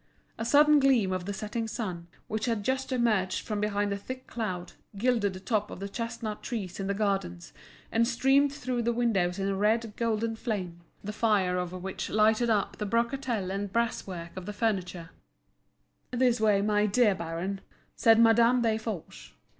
A sudden gleam of the setting sun, which had just emerged from behind a thick cloud, gilded the top of the chestnut trees in the gardens, and streamed through the windows in a red, golden flame, the fire of which lighted up the brocatel and brass work of the furniture. Madame Desforges Introducing Mouret to Baron Hartmann "This way, my dear baron," said Madame Desforges.